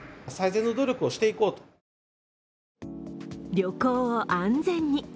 旅行を安全に。